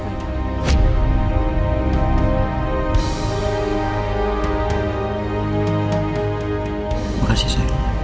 terima kasih sayang